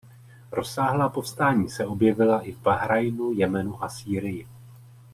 Rozsáhlá povstání se objevila i v Bahrajnu, Jemenu a Sýrii.